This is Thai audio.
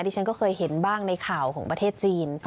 ฉันก็เคยเห็นบ้างในข่าวของประเทศจีน